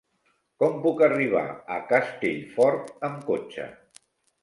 Com puc arribar a Castellfort amb cotxe?